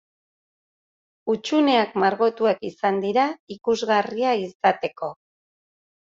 Hutsuneak margotuak izan dira ikusgarria izateko.